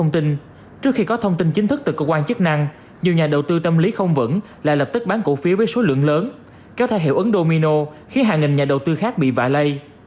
trước khi có thông tin chính thức từ cơ quan chức năng nhiều nhà đầu tư tâm lý không vững lại lập tức bán cổ phiếu với số lượng lớn kéo theo hiệu ứng domino khiến hàng nghìn nhà đầu tư khác bị vạ lây